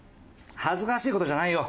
恥ずかしい事じゃないよ。